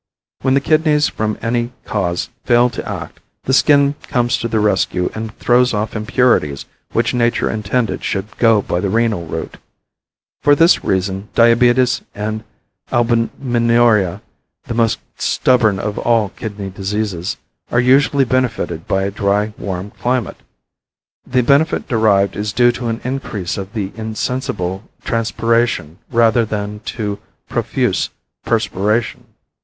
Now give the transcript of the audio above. When the kidneys from any cause fail to act the skin comes to their rescue and throws off impurities which nature intended should go by the renal route. For this reason diabetes and albuminuria, the most stubborn of all kidney diseases, are usually benefited by a dry, warm climate. The benefit derived is due to an increase of the insensible transpiration rather than to profuse perspiration.